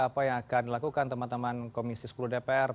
apa yang akan dilakukan teman teman komisi sepuluh dpr